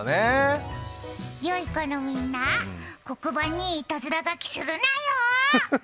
よい子のみんな黒板にいたずら書きするなよ！